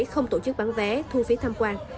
không tổ chức bán vé thu phí tham quan